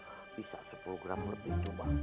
bisa sepuluh gram lebih itu bang